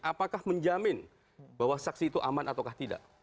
apakah menjamin bahwa saksi itu aman atau tidak